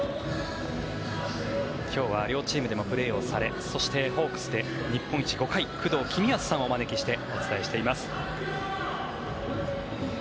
今日は両チームでもプレーをされそして、ホークスで日本一５回工藤公康さんをお招きしてお伝えしています。